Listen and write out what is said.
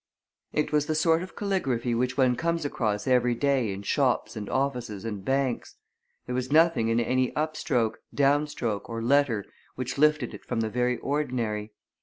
It was the sort of caligraphy which one comes across every day in shops and offices and banks there was nothing in any upstroke, downstroke or letter which lifted it from the very ordinary.